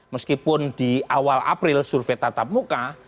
meskipun di awal april survei tatap muka